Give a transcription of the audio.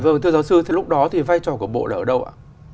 vâng thưa giáo sư thì lúc đó thì vai trò của bộ là ở đâu ạ